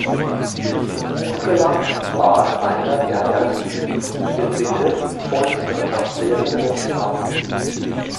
Hufeland war einer der Ersten, die den Begriff Volkswirtschaftslehre benutzt haben.